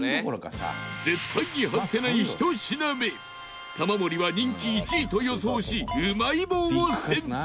絶対に外せない１品目玉森は人気１位と予想しうまい棒を選択